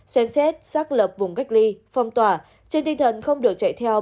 xem xét xác lập vùng cách ly phong tỏa trên tinh thần không được chạy theo